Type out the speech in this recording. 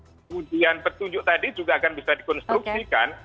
kemudian petunjuk tadi juga akan bisa dikonstruksikan